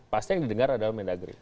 pasti yang didengar adalah mendagri